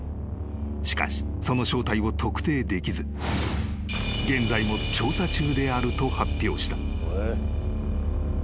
［しかしその正体を特定できず現在も調査中であると発表した］